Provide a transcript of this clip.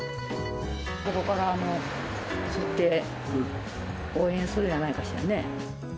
ここから振って、応援するんじゃないかしらね。